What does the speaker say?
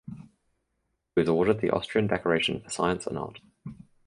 He was awarded the Austrian Decoration for Science and Art.